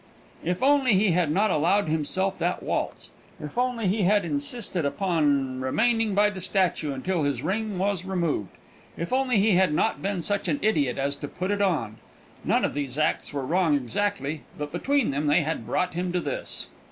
If only he had not allowed himself that waltz; if only he had insisted upon remaining by the statue until his ring was removed; if only he had not been such an idiot as to put it on! None of these acts were wrong exactly; but between them they had brought him to this.